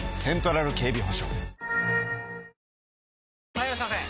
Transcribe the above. ・はいいらっしゃいませ！